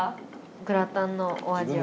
グラタンのお味は。